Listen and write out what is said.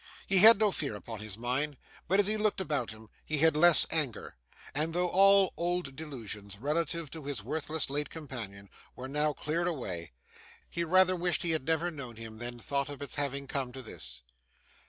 He had no fear upon his mind; but, as he looked about him, he had less anger; and though all old delusions, relative to his worthless late companion, were now cleared away, he rather wished he had never known him than thought of its having come to this.